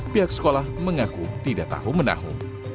pihak sekolah mengaku tidak tahu menahu